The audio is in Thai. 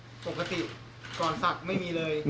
ปกติก่อนศักดิ์ไม่มีเลย